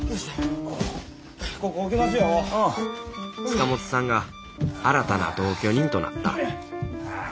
塚本さんが新たな同居人となったあ